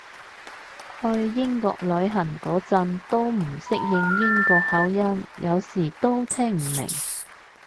去英國旅行嗰陣都唔適應英國口音，有時都聽唔明